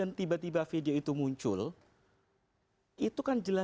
antara prof yusril